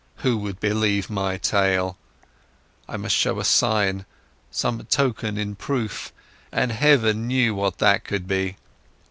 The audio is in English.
Who would believe my tale? I must show a sign, some token in proof, and Heaven knew what that could be.